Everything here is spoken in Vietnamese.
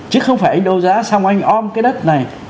chứ không phải anh đấu giá xong anh ôm cái đất này